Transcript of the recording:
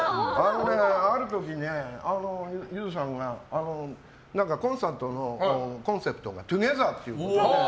ある時ね、ゆずさんがコンサートのコンセプトがトゥギャザーっていうので。